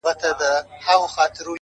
ستا د يوې لپي ښكلا په بدله كي ياران ـ